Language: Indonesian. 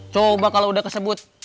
coba kalau udah kesebut